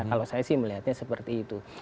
kalau saya sih melihatnya seperti itu